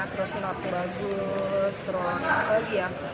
terus nanti bagus terus apa lagi ya